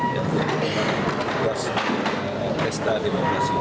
yang berpengalaman dua setiap pesta di pangkasin